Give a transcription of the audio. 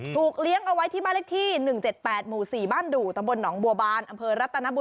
ถูกเลี้ยงเอาไว้ที่บ้านเล็กที่๑๗๘หมู่๔บ้านดู่ตำบลหนองบัวบาน